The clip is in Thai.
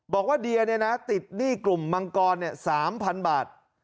บอกว่าเดียเนี่ยนะติดหนี้กลุ่มมังกรเนี่ยสามพันบาท